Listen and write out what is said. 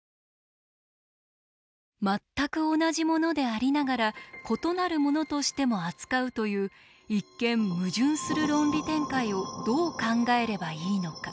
全く同じものでありながら異なるものとしても扱うという一見矛盾する論理展開をどう考えればいいのか。